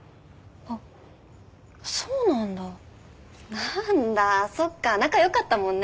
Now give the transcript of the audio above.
なーんだそっか仲良かったもんね。